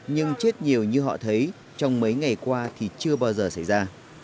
nhưng chết nhiều như họ thấy trong mấy ngày qua thì chưa bao giờ xảy ra